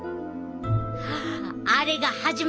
あれが始まるで！